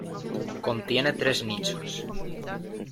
Contiene tres nichos.